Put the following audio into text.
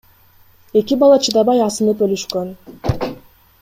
Эки бала чыдабай асынып өлүшкөн.